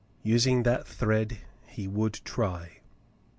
Using that thread, he would try.